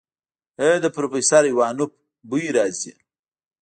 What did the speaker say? ای د پروفيسر ايوانوف بوئ راځي.